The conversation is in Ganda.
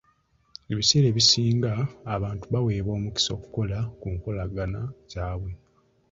Ebiseera ebisinga, abantu baweebwa omukisa okukola ku nkolagana zaabwe.